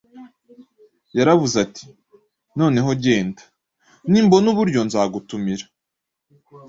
Yaravuze ati: “None genda; nimbona uburyo, nzagutumira.”